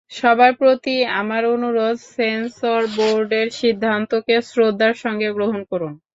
সবার প্রতি আমার অনুরোধ, সেন্সর বোর্ডের সিদ্ধান্তকে শ্রদ্ধার সঙ্গে গ্রহণ করুন।